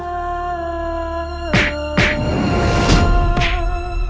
kenapa semua ini harus terjadi pada guru